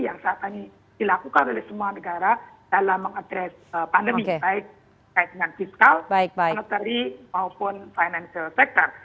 yang saat ini dilakukan oleh semua negara dalam mengadres pandemi baik dengan fiskal monetary maupun financial sector